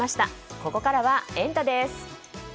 ここからはエンタ！です。